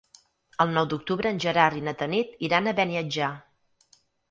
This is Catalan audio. El nou d'octubre en Gerard i na Tanit iran a Beniatjar.